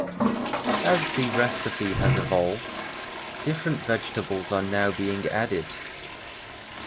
As the recipe has evolved, different vegetables are now being added.